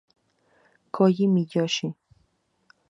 Kōji Miyoshi